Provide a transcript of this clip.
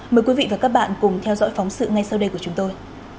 mời quý vị và các bạn cùng theo dõi phóng sự ngay sau đây của chúng tôi